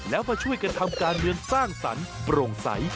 แล้วมาช่วยกันทำการเมืองสร้างสรรค์โปร่งใส